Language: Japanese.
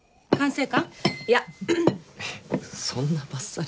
そんなばっさり。